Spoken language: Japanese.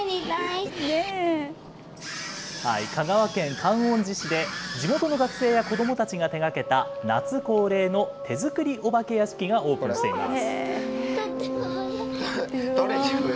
香川県観音寺市で、地元の学生や子どもたちが手がけた、夏恒例の手作りお化け屋敷がオープンしています。